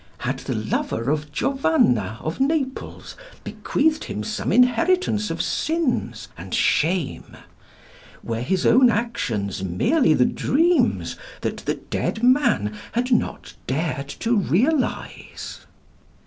Had the lover of Giovanni of Naples bequeathed him some inheritance of sins and shame? Were his own actions merely the dreams that the dead man had not dared to realise?